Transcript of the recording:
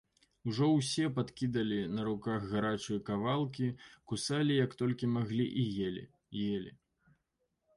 Ужо ўсе падкідалі на руках гарачыя кавалкі, кусалі як толькі маглі і елі, елі.